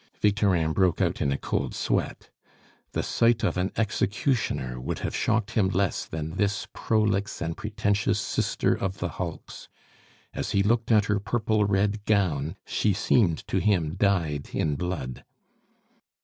Victorin broke out in a cold sweat. The sight of an executioner would have shocked him less than this prolix and pretentious Sister of the Hulks. As he looked at her purple red gown, she seemed to him dyed in blood.